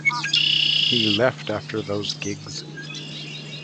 He left after those gigs.